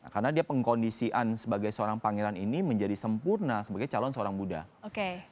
karena dia pengkondisian sebagai seorang pangeran ini menjadi sempurna sebagai calon seorang buddha